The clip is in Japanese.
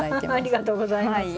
ありがとうございます。